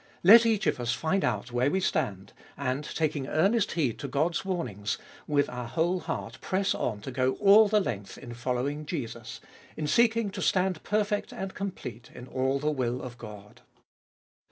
Let each of us find out where we stand, and taking earnest heed to God's warnings, with our whole heart press on to go all the length in following Jesus, in seeking to stand perfect and complete in all the will of God.